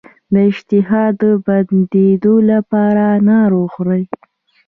د اشتها د بندیدو لپاره انار وخورئ